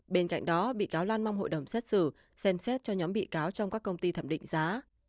bên cạnh đó bị cáo lan mong hội đồng xét xử xem xét cho nhóm bị cáo trong các công ty thẩm định giá